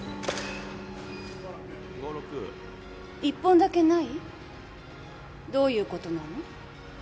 ５６５６一本だけない？どういうことなの？